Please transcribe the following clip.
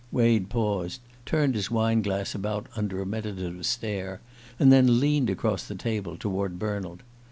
Wade paused, turned his wineglass about under a meditative stare, and then leaned across the table toward Bernald.